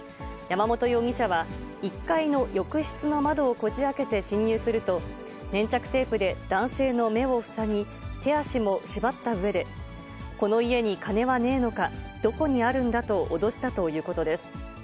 山本容疑者は、１階の浴室の窓をこじあけて侵入すると、粘着テープで男性の目を塞ぎ、手足も縛ったうえで、この家に金はねえのか、どこにあるんだと脅したということです。